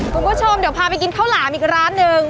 คุณผู้ชมเดี๋ยวพาไปกินข้าวหลามอีกร้านหนึ่ง